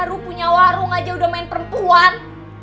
baru punya warung aja udah main perempuan